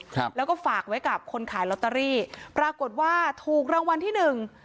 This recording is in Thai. ครับแล้วก็ฝากไว้กับคนขายลอตเตอรี่ปรากฏว่าถูกรางวัลที่หนึ่ง